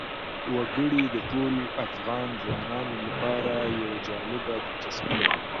وګړي د ټولو افغان ځوانانو لپاره یوه جالبه دلچسپي لري.